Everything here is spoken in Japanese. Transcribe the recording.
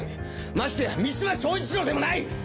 ましてや三島彰一郎でもない！